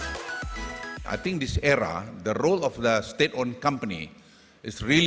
pada era ini peran perusahaan negara adalah sangat besar